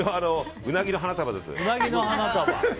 うなぎの花束です。